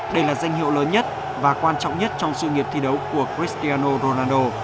đây là danh hiệu lớn nhất và quan trọng nhất trong sự nghiệp thi đấu của cristiano ronaldo